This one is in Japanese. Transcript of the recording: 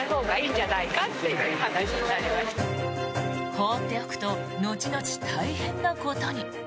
放っておくと後々大変なことに。